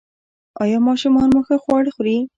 ایا ماشومان مو ښه خواړه خوري؟